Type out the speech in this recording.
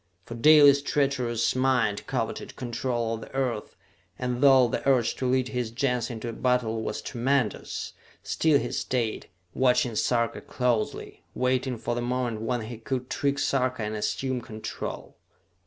For Dalis' treacherous mind coveted control of the Earth, and though the urge to lead his Gens into battle was tremendous, still he stayed, watching Sarka closely, waiting for the moment when he could trick Sarka and assume control.